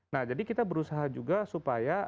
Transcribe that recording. nah jadi kita berusaha juga supaya